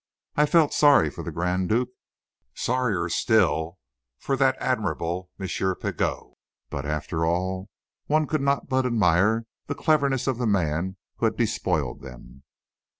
I felt sorry for the Grand Duke; sorrier still for that admirable M. Pigot; but, after all, one could not but admire the cleverness of the man who had despoiled them.